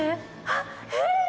あっえっ！